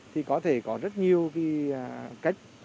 thì có thể có rất nhiều cái cách